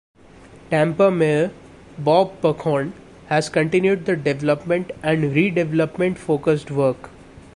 Tampa Mayor Bob Buckhorn has continued the development and redevelopment focused work.